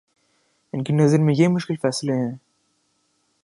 ان کی نظر میں یہ مشکل فیصلے ہیں؟